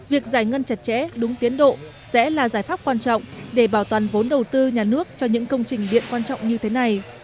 việc giải ngân chặt chẽ đúng tiến độ sẽ là giải pháp quan trọng để bảo toàn vốn đầu tư nhà nước cho những công trình điện quan trọng như thế này